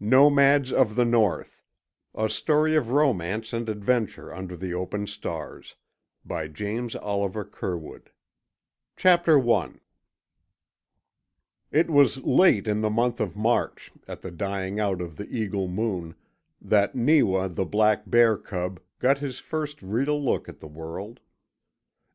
NOMADS OF THE NORTH A STORY OF ROMANCE AND ADVENTURE UNDER THE OPEN STARS BY JAMES OLIVER CURWOOD CHAPTER ONE It was late in the month of March, at the dying out of the Eagle Moon, that Neewa the black bear cub got his first real look at the world.